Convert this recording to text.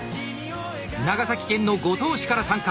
長崎県の五島市から参加。